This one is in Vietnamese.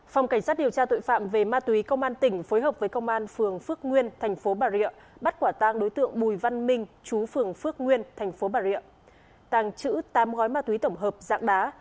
phòng cảnh sát điều tra tội phạm về ma túy công an tỉnh phối hợp với công an phường phước nguyên thành phố bà rịa bắt quả tang đối tượng bùi văn minh chú phường phước nguyên thành phố bà rịa tàng trữ tám gói ma túy tổng hợp dạng đá